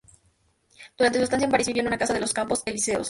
Durante su estancia en París, vivió en una casa de los Campos Elíseos.